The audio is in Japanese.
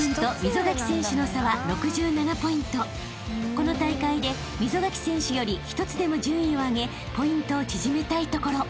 ［この大会で溝垣選手より一つでも順位を上げポイントを縮めたいところ］